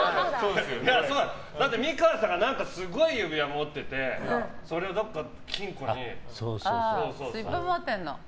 だって美川さんがすごい指輪持っててそれをどこか、金庫に。